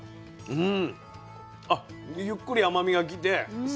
うん。